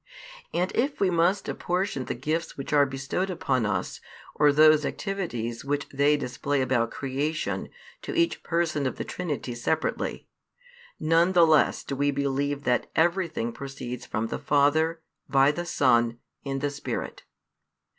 And if we must apportion the gifts which are bestowed upon us, or those activities which They display about creation, to each person of the Trinity separately, none the less do we believe that everything proceeds from the Father by the Son in the Spirit.